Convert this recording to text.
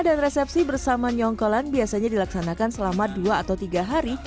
dan resepsi bersama nyonggolan biasanya dilaksanakan selama dua atau tiga hari